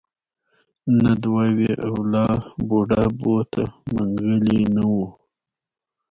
نه دوه وې اولې بوډا بوته منګلی نه و.